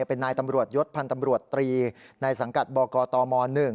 เป็นนายตำรวจยศพันธ์ตำรวจตรีในสังกัดบกตม๑